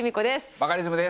バカリズムです。